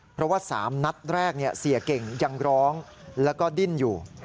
เพราะว่า๓นัดแรกเสียเก่งยังร้องแล้วก็ดิ้นอยู่